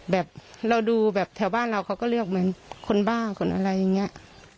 แบบเราดูแบบแถวบ้านเราเขาก็เรียกเหมือนคนบ้าคนอะไรอย่างนี้